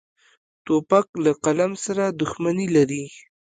توپک له قلم سره دښمني لري.